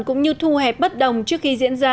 cũng như thu hẹp bất đồng trước khi diễn ra